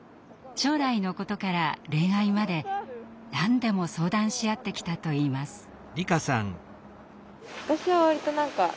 将来のことから恋愛まで何でも相談し合ってきたといいます。